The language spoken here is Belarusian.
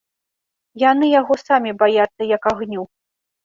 Яны яго самі баяцца як агню!